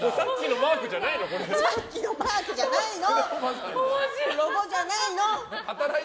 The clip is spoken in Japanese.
さっきのマークじゃないの？